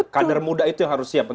kader muda itu yang harus siap